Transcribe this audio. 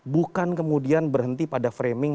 bukan kemudian berhenti pada framing